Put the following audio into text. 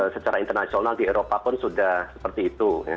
secara internasional di eropa pun sudah seperti itu